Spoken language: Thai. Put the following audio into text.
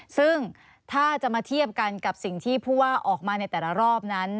ซึ่งถ้าจะมาเทียบกันกับสิ่งที่ผู้ว่าออกมาในแต่ละรอบนั้น